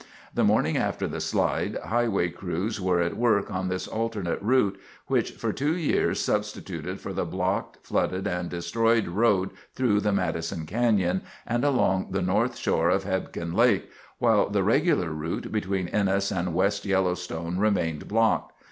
The morning after the slide, highway crews were at work on this alternate route, which for two years substituted for the blocked, flooded, and destroyed road through the Madison Canyon and along the north shore of Hebgen Lake while the regular route between Ennis and West Yellowstone remained blocked.